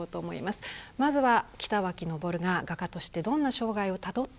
まずは北脇昇が画家としてどんな生涯をたどったのか。